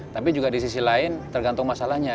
tapi juga di sisi lain tergantung masalahnya